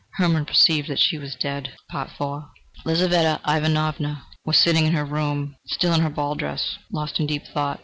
Hermann perceived that she was dead! IV Lizaveta Ivanovna was sitting in her room, still in her ball dress, lost in deep thought.